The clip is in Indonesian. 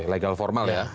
legal formal ya